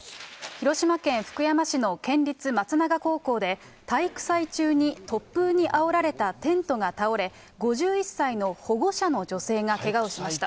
広島県福山市の県立松永高校で、体育祭中に突風にあおられたテントが倒れ、５１歳の保護者の女性がけがをしました。